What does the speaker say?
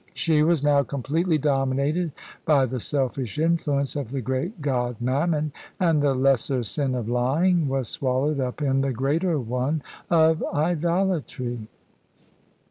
She was now completely dominated by the selfish influence of the great god Mammon, and the lesser sin of lying was swallowed up in the greater one of idolatry.